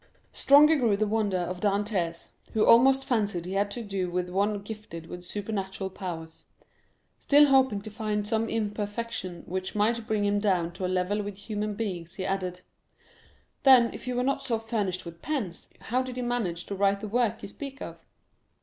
Stronger grew the wonder of Dantès, who almost fancied he had to do with one gifted with supernatural powers; still hoping to find some imperfection which might bring him down to a level with human beings, he added, "Then if you were not furnished with pens, how did you manage to write the work you speak of?"